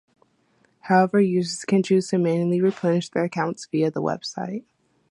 However, users can choose to manually replenish their accounts via the website.